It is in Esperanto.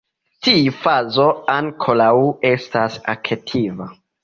Tiu fazo ankoraŭ estas aktiva.